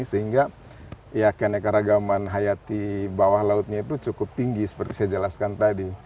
sehingga ya keanekaragaman hayati bawah lautnya itu cukup tinggi seperti saya jelaskan tadi